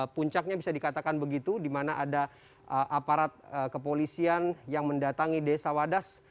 puncaknya bisa dikatakan begitu di mana ada aparat kepolisian yang mendatangi desa wadas